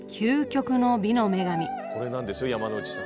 これなんですよ山之内さん。